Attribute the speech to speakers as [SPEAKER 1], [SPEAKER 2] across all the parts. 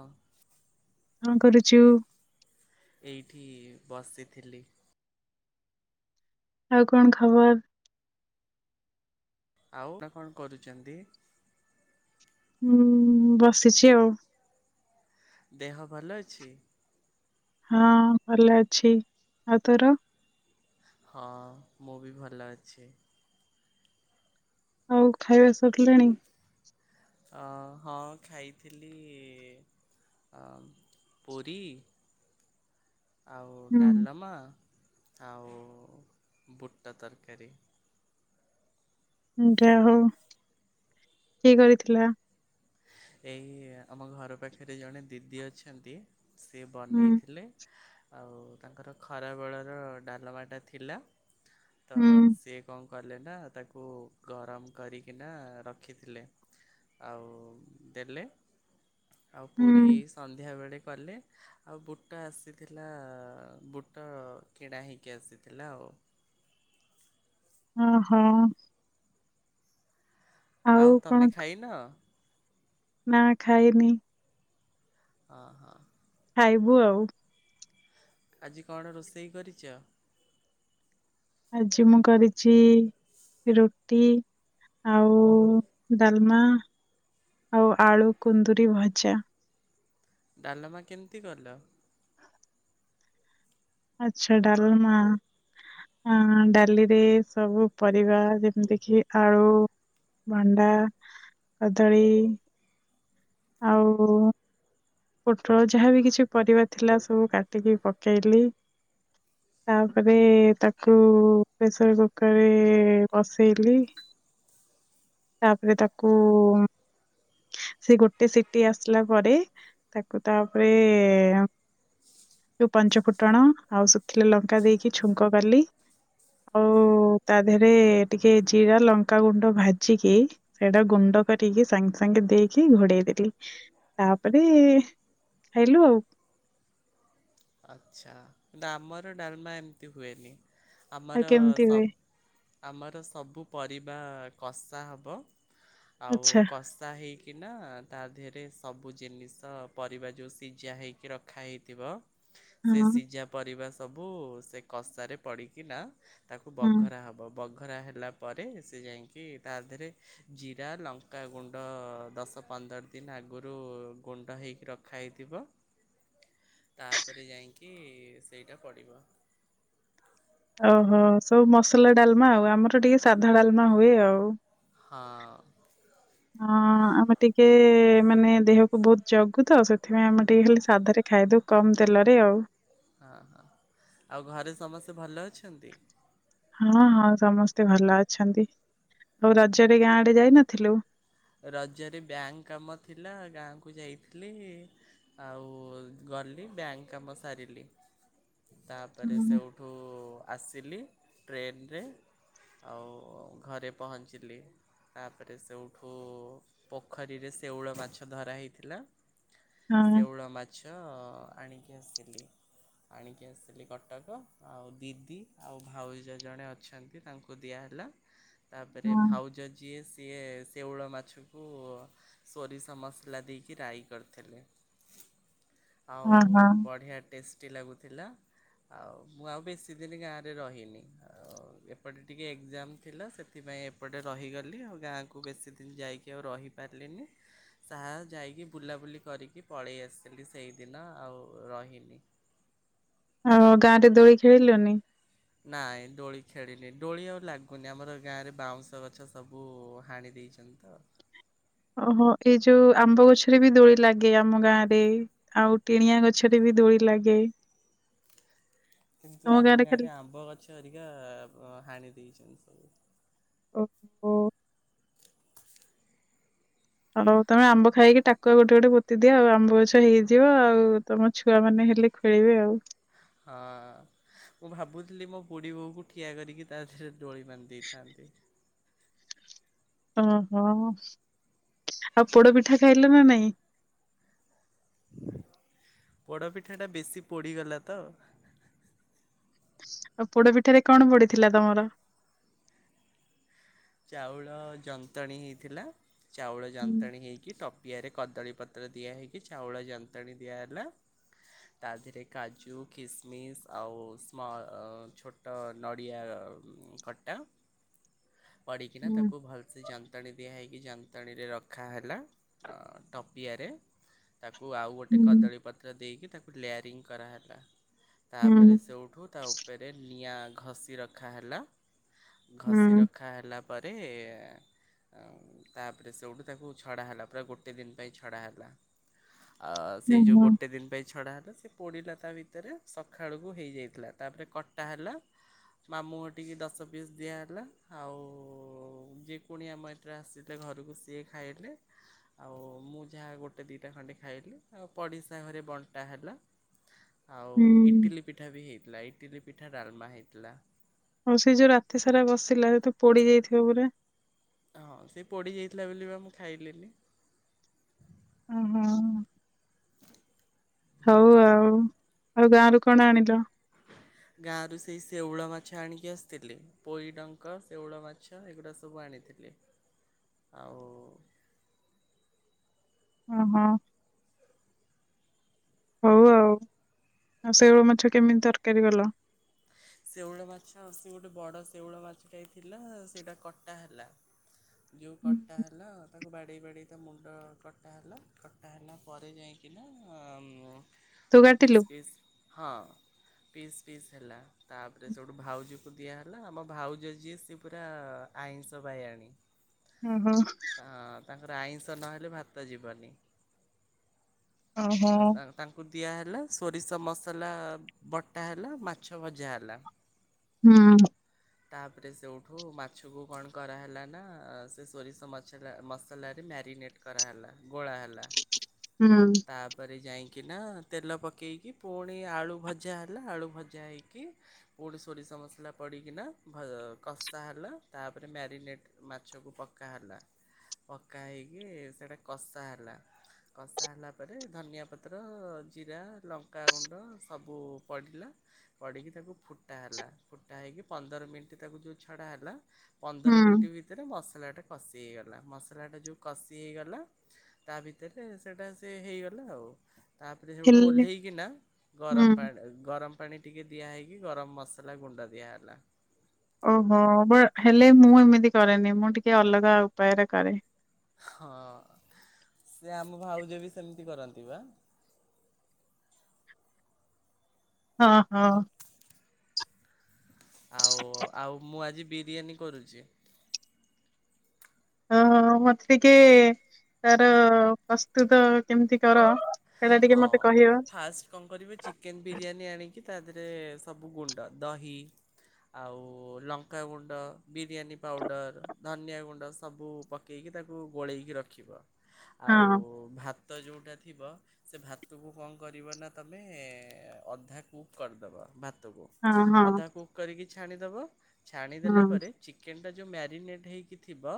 [SPEAKER 1] ହଁ।
[SPEAKER 2] କଣ କରୁଛୁ?
[SPEAKER 1] ଏଇଠି ବସିଥିଲି।
[SPEAKER 2] ଆଉ କଣ ଖବର?
[SPEAKER 1] ଆଉ କଣ କରୁଛନ୍ତି।
[SPEAKER 2] ହୁଁ ବସିଛି ଆଉ।
[SPEAKER 1] ଦେହ ଭଲ ଅଛି?
[SPEAKER 2] ହଁ ଭଲ ଅଛି ଆଉ ତୋର
[SPEAKER 1] ହଁ ମୁଁ ବି ଭଲ ଅଛି।
[SPEAKER 2] ହଉ ଖାଇବାସ ଶଖିଲଣି
[SPEAKER 1] ଅ ହଁ ଖାଇଥିଲି ପୁରୀ ଆଉ
[SPEAKER 2] ହୁଁ
[SPEAKER 1] ଡାଲମା ଆଉ ବୁଟ ତରକାରୀ।
[SPEAKER 2] ଯା ହଉ, କିଏ କରିଥିଲା?
[SPEAKER 1] ଏଇ ଆମ ଘର ପାଖରେ ଜଣେ ଦିଦି ଅଛନ୍ତି। ସେ
[SPEAKER 2] ହୁଁ
[SPEAKER 1] ବନେଇଥିଲେ। ଆଉ ତାଙ୍କର ଖରାବେେଳର ଡାଲମାଟା ଥିଲା। ତ
[SPEAKER 2] ହୁଁ
[SPEAKER 1] ସିଏ କଣ କଲେ ନା ତାକୁ ଗରମ କରିକିନା ରଖିଥିଲେ, ଆଉ ଦେଲେ। ଆଉ ପୁରୀ
[SPEAKER 2] ହୁଁ
[SPEAKER 1] ଏଇ ସନ୍ଧ୍ୟା ବେଳେ ଆ ବୁଟ ଆସିଥିଲା ବୁଟ କିଣା ହେଇକି ଆସିଥିଲା ଆଉ।
[SPEAKER 2] ଓ ହୋ।
[SPEAKER 1] ଆଉ
[SPEAKER 2] କଣ
[SPEAKER 1] ତମେ ଖାଇନ?
[SPEAKER 2] ନା ଖାଇନି।
[SPEAKER 1] ହ ହଁ।
[SPEAKER 2] ଖାଇବୁ ଆଉ।
[SPEAKER 1] ଆଜି କଣ ରୋଷେଇ କରିଛ?
[SPEAKER 2] ଆଜି ମୁଁ କରିଛି ରୁଟି ଆଉ ଡାଲମା ଆଉ ଆଳୁ କୁନ୍ଦୁରି ଭଜା।
[SPEAKER 1] ଡାଲମା କେମିତି କଲ?
[SPEAKER 2] ଆଛା ଡାଲମା, ଡାଲିରେ ସବୁ ପରିବା ଯେମିତି କିି ଆଳୁ, ଭଣ୍ଡା, କଦଳୀ ଆଉ ପୋଟଳ ଯାହାବି କିଛି ପରିବା ଥିଲା ସବୁ କାଟିକି ପକେଇଲି, ତାପରେ ତାକୁ ପ୍ରେସର କୁକରରେ ବସେଇଲି, ତାପରେ ତାକୁ ସେ ଗୋଟେ ସିଟି ଆସିଲା ପରେ ତାକୁ ତାପରେ ଯଉ ପଞ୍ଚୁଫୁଟଣ ଆଉ ଶୁଖିଲେ ଲଙ୍କା ଦେଇକି ଛୁଙ୍କ କଲି, ଆଉ ତା ଦେହରେ ଟିକେ ଜିରା ଲଙ୍କା ଗୁଣ୍ଡ ଭାଜିକି ସେଇଟା ଗୁଣ୍ଡ କରିକି ସାଙ୍ଗେ ସାଙ୍ଗ ସାଙ୍ଗେ ଦେଇକି ଘୋଡେଇ ଦେଲି, ତାପରେ ଖାଇଲୁ ଆଉ।
[SPEAKER 1] ଆଚ୍ଛା କିନ୍ତୁ ଆମର ଡାଲମା ଏମିତି ହୁଏନି।
[SPEAKER 2] ଆଉ
[SPEAKER 1] ଆମର
[SPEAKER 2] କେମିତି ହୁଏ
[SPEAKER 1] ସବ ଆମର ସବୁ ପରିବା କଷା ହବ। ଆଉ
[SPEAKER 2] ଆଚ୍ଛା
[SPEAKER 1] କସା ହେଇକି କିନା ତା ଦେହରେ ସବୁ ଜିନିଷ ପରିବା ଯେଉଁ ସିଝା ହେଇକି ରଖାହେଇଥିବ। ସେ
[SPEAKER 2] ହଁ
[SPEAKER 1] ସିଝା ପରିବା ସ ସବୁ ସେ କଷାରେ ପଡ଼ିକି ନା ତାକୁ
[SPEAKER 2] ହୁଁ
[SPEAKER 1] ବଘରା ହବ, ବ ଖରା ହେଲା ପରେ ସେ ଯାଇକି ତା ଦେହରେ ଜିରା ଲଙ୍କାଗୁଣ୍ଡ ଦଶ ପନ୍ଦର ଦିନ ଆଗରୁ ଗୁଣ୍ଡ ହେଇକି ରଖା ହେଇଥିବ। ତାପରେ ଯାଇକି ସେଇଟା ପଡ଼ିବ।
[SPEAKER 2] ଓହୋ ସବୁ ମସଲା ଡାଲମା ଆଉ ଆମର ଟିକେ ସାଧା ଡାଲମା ହୁଏ ଆଉ।
[SPEAKER 1] ହଁ।
[SPEAKER 2] ହଁ ଆମେ ଟିକେ ମାନେ ଦେହକୁୁ ବହୁତ ଜଗୁ ତ ସେଥିପାଇଁ ଆମେ ଟିକେ ଖାଲି ସାଧାରେ ଖାଇଦଉ କମ ତେଲରେ ଆଉ।
[SPEAKER 1] ହଁ ହଁ ଆଉ ଘରେ ସମସ୍ତେ ଭଲ ଅଛନ୍ତି?
[SPEAKER 2] ହଁ ହଁ ସମସ୍ତେ ଭଲ ଅଛନ୍ତି, ଆଉ ରଜ ରେ ଗାଁ ଆଡେ ଯାଇନଥିଲୁ?
[SPEAKER 1] ରଜରେ ବ୍ୟାଙ୍କ କାମ ଥିଲା ଗାଁକୁ ଯାଇଥିଲ, ଆଉ ଗଲି ବ୍ୟାଙ୍କ କାମ ସାରିଲି।
[SPEAKER 2] ହୁଁ
[SPEAKER 1] ତାପରେ ସେଉଠୁ ଆସିଲି ଟ୍ରେନରେ ଆଉ ଘରେ ପହଞ୍ଚିଲି ତାପରେ ସେଉ ଠୁ ପୋଖରୀରେ ଶେଉଳ ମାଛ ଧରା ହେଇଥିଲା।
[SPEAKER 2] ହଁ
[SPEAKER 1] ସେଉଳ ମାଛ। ଆଣିକି ଆସିଲି ଆଣିକି ଆସିଲି କଟକ ଆଉ ଦିଦି ଆଉ ଭାଉଜ ଜଣେ ଅଛନ୍ତି ତାଙ୍କୁ ଦିଆହେଲା। ତାପରେ
[SPEAKER 2] ହଁ
[SPEAKER 1] ଭାଉଜ ଜିଏସ୍ ସିଏ ଶେଉଳ ମାଛକୁ ସୋରିଷ ମସଲା ଦେଇକି ରାଇ କରିଥିଲେ। ଆଉ
[SPEAKER 2] ହଁ ହଁ
[SPEAKER 1] ବଢିଆ ଟେଷ୍ଟ ଲାଗୁଥିଲା ଆଉ ମୁଁ ଆଉ ବେଶି ଦିନ ଗାଁରେ ରହିନି ଆଉ ଏପଟେ ଟିକେ ଏକ୍ଜାମ ଥିଲା ସେଥିପାଇଁ ଏପଟେ ରହିଗଲି ଆଉ ଗାଁକୁ ବେଶି ଦିନ ଯାଇକି ଆଉ ରହିପାରିଲିନି ଯାହା ଯାଇକି ବୁଲାବୁଲି କରିକି ପଳେଇ ଆସିଲି ସେଇଦିନ ଆଉ ରହିନି।
[SPEAKER 2] ଆଉ ଗାଁ ରେ ଦୋଳି ଖେଳିଲନି?
[SPEAKER 1] ନାଇଁ ଦୋଳି ଖେଳିନି ଦୋଳି ଆଉ ଲାଗୁନି ଆମର ଗାଁରେ ବାଉଁଶ ଗଛ ସବୁ ହାଣି ଦେଇଛନ୍ତି ତ।
[SPEAKER 2] ଓହୋ ଏଇ ଯୋଉ ଆମ୍ବ ଗଛରେ ବି ଦୋଳି ଲାଗେ ଆମ ଗାଁ ରେ ଆଉ ଟିଣିଆ ଗଛରେ ବି ଦୋଳି ଲାଗେ।
[SPEAKER 1] କିନ୍ତୁ
[SPEAKER 2] ତମ
[SPEAKER 1] ଆମ
[SPEAKER 2] ଖାଲି
[SPEAKER 1] ଗାଁରେ ଆମ୍ବ ଗଛ ହେରିକା ହାଣି ଦେଇଛି। ଛନ୍ତି ସବୁ।
[SPEAKER 2] ଓ ଓ। ଆଉ ତମେ ଆମ୍ବ ଖାଇକି ଟାକୁଆ ଗୋଟେ ଗୋଟେ ପୋତି ଦିଅ ଆଉ ଆମ୍ବ ଗଛ ହେଇଯିବ ଆଉ ତମ ଛୁଆ ମାନେ ହେଲେ ଖେଳିବେ ଆଉ।
[SPEAKER 1] ହଁ ମୁଁ ଭାବୁଥିଲି ମୋ ବୁଢୀ ବୋଉ କୁ ଠିଆ କରିକି ତା ଥୀରେ ଦୋଳି ବାନ୍ଧି ଦେଇଥାନ୍ତି।
[SPEAKER 2] ଓହୋ ଆଉ ପୋଡ ପିଠା ଖାଇଲ ନା ନାଇଁ?
[SPEAKER 1] ପୋଡ଼ପିଠାଟା ବେଶି ପୋଡ଼ିଗଲା ତ।
[SPEAKER 2] ଆଉ ପୋଡ ପିଠାରେ କଣ ପଡିଥିଲା ତମର?
[SPEAKER 1] ଚାଉଳ ଯନ୍ତ୍ରଣୀ ହେଇଥିଲା। ଚାଉଳ
[SPEAKER 2] ହୁଁ
[SPEAKER 1] ଯାନ୍ତ୍ରଣୀ ହେଇକି ଟପ ପିଆରେ କଦଳୀପତ୍ର ଦିଆହଇକି ଚାଉଳ ଯନ୍ତଣୀ ଦିଆହେଲା ତା ଦେହରେ କାଜୁ କିସମିସ୍ ଆଉ ସ୍ମଲ ଛୋଟ ନଡିଆ କଟା ପଡିକିନା
[SPEAKER 2] ହୁଁ
[SPEAKER 1] ତାକୁ ଭଲସେ ଯନ୍ତାଣୀ ଦିଆ ହେଇକି ଯଅ ଯନ୍ତାଣୀ ରେ ରଖା ହେଲା ଅ ଟପିଆରେ ତାକୁ ଆଉ ଗୋଟେ
[SPEAKER 2] ହୁଁ
[SPEAKER 1] କଦଳୀ ପତ୍ର ଦେଇକି ତାକୁ ଲେୟାରିଙ୍ଗ କରାହେଲା।
[SPEAKER 2] ହୁଁ
[SPEAKER 1] ତାପରେ ସେଉଠୁ ତା ଉପରେ ନିଆଁ ଘଷି ରଖା ହେଲା। ଘଷି ରଖା ହେଲା ପ ପରେ ତାପରେ ସେଠୁ ତାକୁ ଛଡ଼ା ହେଲା ଗୋଟେ ଦିନ ପାଇଁ ଛଡ଼ା ହେଲା। ଆଉ
[SPEAKER 2] ହୁଁ
[SPEAKER 1] ସେଇ ଯେଉଁ
[SPEAKER 2] ହୁଁ
[SPEAKER 1] ଗୋଟେ ଦିନ ପାଇଁ ଛଡ଼ା ହେଲା ସେ ପୋଡ଼ିଲା ତା ଭିତରେ ସକାଳୁକୁ ହେଇଯାଇଥିଲା ତାପରେ କଟା ହେଲା ମାମୁଁ ହରଟିକି ଦଶ ପିସ୍ ଦିଆହେଲା ଆଉ ଆ ଯେ କୁଣିଆ ମୈତ୍ର ଆସିଥିଲେ ଘରକୁ ସିଏ ଖାଇଲେ ଆଉ ମୁଁ ଯାହା ଗୋଟେ ଦୁଇଟା ଖଣ୍ଡେ ଖାଇଲି ଆଉ ପଡ଼ିଶା ଘରେ ବଣ୍ଟା ହେଲା ଆଉ
[SPEAKER 2] ହୁଁ।
[SPEAKER 1] ଇଟିଲି ପିଠା ବି ହେଇଥିଲା ଇ ଇଟିଲି ପିଠା ଡାଲମା ହେଇଥିଲା।
[SPEAKER 2] ହଉ ସେ ଯୋଉ ରାତି ସାରା ବସିଲା ସେ ତ ପୋଡି ଯାଇଥିବ ପୁରା।
[SPEAKER 1] ହଁ ସେ ପୋଡ଼ିଯାଇଥିଲା ବୋଲି ବା ମୁଁ ଖାଇଲିନି।
[SPEAKER 2] ଓ ହୋ। ହଉ ଆଉ ଆଉ ଗାଁ ରୁ କଣ ଆଣିଲ?
[SPEAKER 1] ଗାଁରୁ ସେଇ ଶେଉଳ ମାଛ ଆଣିକି ଆସିଥିଲି, ପୋଇଡଙ୍କ, ଶେଉଳ ମାଛ ଏଗୁଡ଼ା ସବୁ ଆଣିଥିଲି, ଆଉ
[SPEAKER 2] ହ ହୋ। ହଉ ଆଉ, ଆଉ ଶେଉଳ ମାଛ କେମିତି ତରକାରୀ କଲ?
[SPEAKER 1] ଶେଉଳ ମାଛ ସେ ଗୋଟେ ବଡ଼ ଶେଉଳ ମାଛ ଟେ ଥିଲା, ସେଇଟା କଟା ହେଲା। ଯେଉଁ କଟା ହେଲା ଆ ବାଡ଼େଇ ବାଡ଼େଇ ତା ମୁଣ୍ଡ କଟା ହେଲା, କଟା ହେଲା ପରେ ଯାଇକିନା
[SPEAKER 2] ତୁ
[SPEAKER 1] ଆମ
[SPEAKER 2] କାଟିଲୁ
[SPEAKER 1] ପିସ୍ ପିସ ହଁ ପିସ୍ ପିସ୍ ହେଲା। ତାପରେ ସେଠୁ ଭାଉଜକୁ ଦିଆହେଲା, ଆମ ଭାଉଜ ଯିଏ ସିଏ ପୁରା ଆଇଁଷ ଵାଇଆଣି।
[SPEAKER 2] ଓ ହୋ।
[SPEAKER 1] ତାଙ୍କର ଆଇଁଷ ନହେଲେ ଭାତ ଯିବନି।
[SPEAKER 2] ଓହୋ
[SPEAKER 1] ତ ତା ତାଙ୍କୁ ଦିଆ ହେଲା, ସୋରିଷ ମସଲା ବଟା ହେଲା, ମାଛ ଭଜା ହେଲା।
[SPEAKER 2] ହୁଁ।
[SPEAKER 1] ତାପରେ ସେଉଠୁ ମାଛକୁ କଣ କରାହେଲା ନା ସେ ସୋରିଷ ମଛଲା ମସଲାରେ ମ୍ୟାରିନେଟ୍ କରାହେଲା, ଗୋଳା ହେଲା।
[SPEAKER 2] ହଁ।
[SPEAKER 1] ତାପରେ ଯାଇକିନା ତେଲ ପକାଇକି ପୁଣି ଆଳୁ ଭଜା ହେଲା, ଆଳୁ ଭଜା ହୋଇକି ପୁଣି ସୋରିଷ ମସଲା ପଡ଼ିକିନା କଷା ହେଲା, ତାପରେ ମ୍ୟାରିନେଟ୍ ମାଛକୁ ପକା ହେଲା, ପକା ହୋଇକି ସେଇଟା କଷା ହେଲା, କଷା ହେଲା ତାପରେ ଧନିଆ ପତ୍ର, ଜିରା ଲଙ୍କାଗୁଣ୍ଡ ସବୁ ପଡ଼ିଲା, ପଡ଼ିକି ତାକୁ ଫୁଟା ହେଲା, ଫୁଟା ହୋଇକି ପନ୍ଦର ମିନିଟ୍ ତାକୁ ଯେଉ ଛଡ଼ା ହେଲା ପନ୍ଦର
[SPEAKER 2] ହୁଁ।
[SPEAKER 1] ମିନିଟ୍ ଭିତରେ ମସ୍ ମସଲାଟା କଷି ହେଇଗଲା, ମସଲାଟା ଯୋଉ କଷି ହେଇଗଲା ତା ଭିତରେ ସେଇଟା ସେ ହେଇଗଲା ଆଉ। ତାପରେ ସେଇଠୁ
[SPEAKER 2] ହେଲେ
[SPEAKER 1] ଓହ୍ଲେଇକିନା ଗରମ
[SPEAKER 2] ହୁଁ
[SPEAKER 1] ପାଣି ଗରମ ପାଣି ଟିକେ ଦିଆହେଇକି ଗରମ ମସଲା ଗୁଣ୍ଡ ଦିଆ ହେଲା।
[SPEAKER 2] ଓହୋ, ବା ହେଲେ ମୁଁ ଏମିତି କରେନି, ମୁଁ ଟିକେ ଅଲଗା ଉପାୟରେ କରେ।
[SPEAKER 1] ହଁ, ସେ ଆମ ଭାଉଜ ବି ସେମିତି କରନ୍ତି ବା।
[SPEAKER 2] ହଁ ହଁ।
[SPEAKER 1] ଆଉ ଆଉ ମୁଁ ଆଜି ବିରିୟାନୀ କରୁଛି।
[SPEAKER 2] ହଁ ମତେ ଟିକେ ତାର ପ୍ରସ୍ତୁତ କେମିତି କର ସେଇଟା ଟିକେ
[SPEAKER 1] ହଁ,
[SPEAKER 2] ମତେ କହିବ
[SPEAKER 1] ଫାଷ୍ଟ କଣ କରିବେ ଚିକେନ ବିରିୟାନୀ ଆଣିକି ତା ଦେହରେ ସବୁ ଗୁଣ୍ଡ ଦହି, ଆଉ ଲଙ୍କାଗୁଣ୍ଡ, ବିରିୟାନୀ ପାଉଡ଼ର, ଧନିଆ ଗୁଣ୍ଡ, ସବୁ ପକାଇକି ତାକୁ ଗୋଳେଇକି ରଖିବ। ଆଉ
[SPEAKER 2] ହଁ
[SPEAKER 1] ଭାତ ଯେଉଁଟା ଥିବ ସେ ଭାତକୁ କଣ କରିବ ନା ତମେ ଅଧା କୁକ କରିଦେବ, ଭାତ
[SPEAKER 2] ହଁ ହଁ
[SPEAKER 1] ଅଧା କୁକ୍ କରିକି ଛାଣିଦବ। ଛାଣିଦେଲା
[SPEAKER 2] ହଁ
[SPEAKER 1] ପରେ ଚିକେନ ଟା ଯୋଉ ମ୍ୟାରିନେଟ ହେଇିକିଥିବ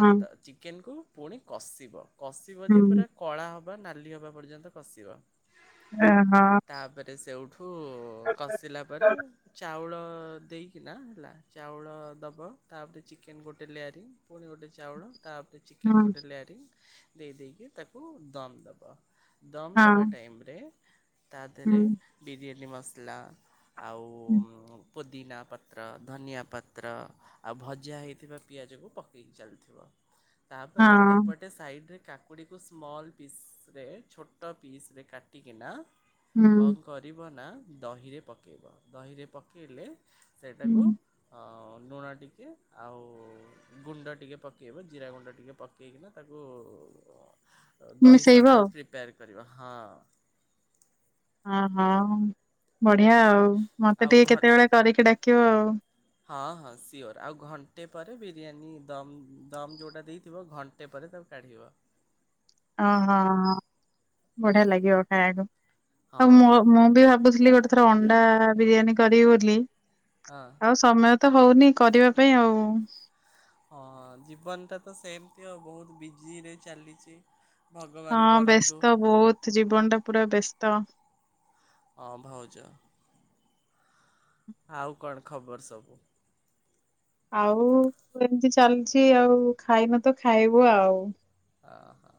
[SPEAKER 2] ହଁ
[SPEAKER 1] ଚିକେନକୁୁ ପୁଣି କଷିବ। କଷିବ ଯେ
[SPEAKER 2] ହୁଁ
[SPEAKER 1] ପୁରା କଳା ହବ। ନାଲି ହବା ପର୍ଯ୍ୟନ୍ତ କଷିବ।
[SPEAKER 2] ହଁ ହଁ।
[SPEAKER 1] ଠୁ କଷିଲା ପରେ ଚାଉଳ ଦେଇକିନା ହେଲା ଚାଉଳ ଦବ। ତାପରେ ଚିକେନ ଗୋଟେ ଲେୟାରିଙ୍ଗ ପୁଣି ଗୋଟେ ଚାଉଳ ତାପରେ ଚିକେନ
[SPEAKER 2] ହଁ
[SPEAKER 1] ଗୋଟେ ଲୋୟାରଙ୍କି ଦେଇ ଦେଇେଇକି ତାକୁ ଦମ୍ ଦେବ। ଦମ୍
[SPEAKER 2] ହଁ
[SPEAKER 1] ଦେବା ଟାଇମରେ ତା ଦେହରେ
[SPEAKER 2] ହୁଁ
[SPEAKER 1] ବିରିୟାନୀ ବିରିୟାନୀ ମସଲା ଆଉ।
[SPEAKER 2] ହୁଁ।
[SPEAKER 1] ପୁଦିନା ପତ୍ର, ଧନିଆ ପତ୍ର, ଆଉ ଭଜା ହୋଇଥିବା ପିଆଜକୁ ପକେଇକି ଚାଲୁଥିବ। ତା ପରେ
[SPEAKER 2] ହଁ
[SPEAKER 1] ଏପଟେ ସାଇଡ ରେ କାକୁଡ଼ି କୁ ସ୍ମଲ୍ ପିସ ରେ ଛୋଟ ପିସରେ କାଟିକିନା
[SPEAKER 2] ହୁଁ
[SPEAKER 1] କଣ କରିବ ନା। ଦହିରେ ପକାଇବ ଦହିରେ ପକାଇଲେ ସେଇଟାକୁ
[SPEAKER 2] ହୁଁ
[SPEAKER 1] ଅ ଲୁଣ ଟିକେ ଆଉ ଗୁଣ୍ଡ ଟିକେ ପକେଇବ ଆଉ ଜିରା ଗୁଣ୍ଡ ଟିକେ ପକେଇକିନା ତାକୁ ଦହି
[SPEAKER 2] ମିଶେଇବ
[SPEAKER 1] ଶର୍ବତ ପ୍ରି କରିବା ହଁ।
[SPEAKER 2] ହଁ ହଁ। ବଢିଆ ଆଉ ମତେ
[SPEAKER 1] ଆଉ
[SPEAKER 2] ଟିକେ
[SPEAKER 1] ଘ
[SPEAKER 2] କେତେବେଳେ କରିକି ଡାକ କି ଅ ଆଉ
[SPEAKER 1] ହଁ ହଁ ସିଓର ଆଉ ଘଣ୍ଟେ ପରେ ବିରିୟାନୀ ଦମ୍ ଦମ୍ ଯେଉଁଟା ଦେଇଥିବ ଘଣ୍ଟେ ପରେ ତାକୁ କାଢ଼ିବ।
[SPEAKER 2] ଓହଁ ବଢିଆ ଲାଗିବ ଖାଇବାକୁ।
[SPEAKER 1] ହଁ
[SPEAKER 2] ଆଉ ମ ମ ଦେଇ [unintelligible] ଗୋଟେ ଥର ଅଣ୍ଡା ବିରିୟାନୀ କରି କରିବି ବୋଲି।
[SPEAKER 1] ହଁ
[SPEAKER 2] ଆଉ ସମୟ ତ ହଉନି କରିବା ପାଇଁ ଆଉ।
[SPEAKER 1] ହଁ ଜୀବନଟା ତ ସେମତି ଆଉ ବହୁତ ବିଜିରେ ଚାଲିଛି।
[SPEAKER 2] ହଁ
[SPEAKER 1] ଭଗବାନ କରନ୍ତୁ
[SPEAKER 2] ବ୍ୟସ୍ତ ବହୁତ ଜୀବନ ଟା ପୁରା ବ୍ୟସ୍ତ।
[SPEAKER 1] ହଁ ଭାଉଜ। ଆଉ କଣ ଖବର ସବୁ?
[SPEAKER 2] ଆଉ ଏମିତି ଚାଲିଛି ଆଉ ଖାଇନ ତ ଖାଇବୁ ଆଉ।
[SPEAKER 1] ଅ ହଁ।